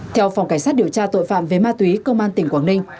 theo phòng cảnh sát điều tra tội phạm về ma túy công an tỉnh quảng ninh